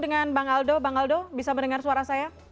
dengan bang aldo bang aldo bisa mendengar suara saya